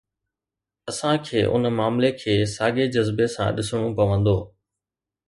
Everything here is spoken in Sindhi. اسان کي ان معاملي کي ساڳي جذبي سان ڏسڻو پوندو.